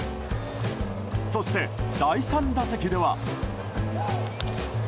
そして、第３打席では。